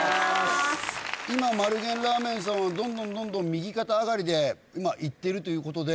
今丸源ラーメンさんはどんどんどんどん右肩上がりで今いっているという事で。